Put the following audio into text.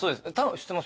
知ってます。